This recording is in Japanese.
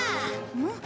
ん？